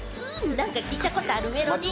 なんか聞いたことあるメロディー！